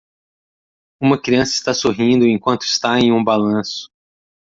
Uma criança está sorrindo enquanto está em um balanço.